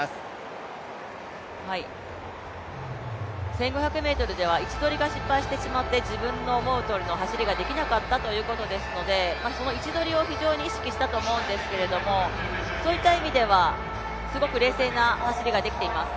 １５００ｍでは位置取りが失敗してしまって自分の思うとおりの走りができなかったということですのでその位置取りを非常に意識したと思うんですけれども、そういった意味ではすごく冷静な走りができています。